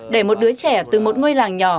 để một đứa trẻ từ một ngôi làng nhỏ